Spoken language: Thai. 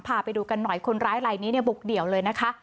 พาไปดูกันหน่อยคนร้ายลายนี้เนี่ยบุกเดี่ยวเลยนะคะ